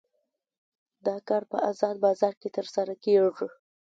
دا کار په ازاد بازار کې ترسره کیږي.